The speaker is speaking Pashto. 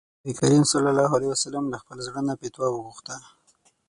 نبي کريم ص له خپل زړه نه فتوا وغوښته.